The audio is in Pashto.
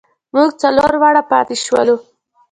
مونږ څلور واړه پاتې شولو.